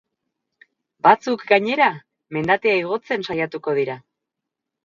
Batzuk, gainera, mendatea igotzen saiatuko dira.